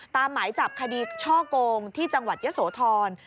หมายจับคดีช่อโกงที่จังหวัดยะโสธร